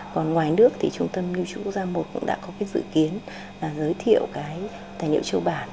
còn ngoài nước thì trung tâm nguyễn chủ quốc gia một cũng đã có dự kiến giới thiệu tài liệu châu bản